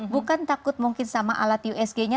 bukan takut mungkin sama alat usg nya